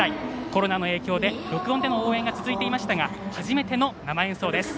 コロナの影響で録音での応援が続いていましたが初めての生演奏です。